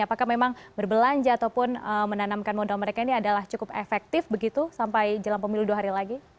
apakah memang berbelanja ataupun menanamkan modal mereka ini adalah cukup efektif begitu sampai jelang pemilu dua hari lagi